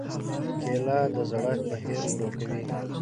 کېله د زړښت بهیر ورو کوي.